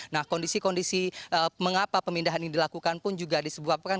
nah kondisi kondisi mengapa pemindahan ini dilakukan pun juga disebabkan